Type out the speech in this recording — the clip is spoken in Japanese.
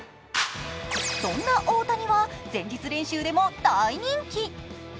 そんな大谷は前日練習でも大人気。